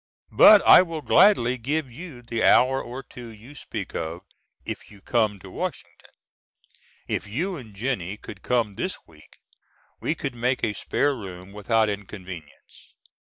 But I will gladly give you the hour or two you speak of if you come to Washington. If you and Jennie could come this week we could make a spare room without inconvenience.